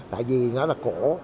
tại vì nó là cổ